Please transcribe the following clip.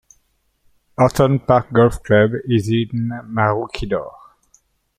Horton Park Golf Club is in Maroochydore.